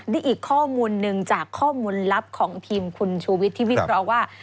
นี่อีกข้อมูลหนึ่งจากข้อมูลลับของทีมคุณชูวิทย์ที่วิเคราะห์ว่า